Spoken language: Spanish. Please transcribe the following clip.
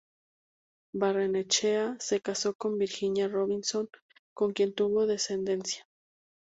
Barrenechea se casó con Virginia Robinson, con quien tuvo descendencia.